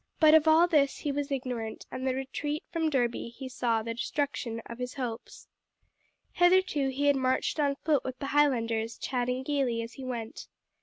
But of all this he was ignorant, and in the retreat from Derby he saw the destruction of his hopes. Hitherto he had marched on foot with the Highlanders, chatting gaily as he went.